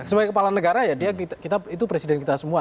sebagai kepala negara ya itu presiden kita semua